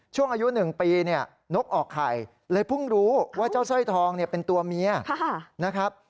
ช่วงอายุ๑ปีเนี่ยนกออกไข่เลยเพิ่งรู้ว่าเจ้าสร้อยทองเนี่ยเป็นตัวเมียนะครับ